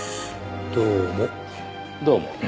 どうも。